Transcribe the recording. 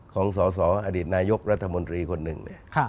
ของส่ออดิษณายกรรธมนตรีคนนึง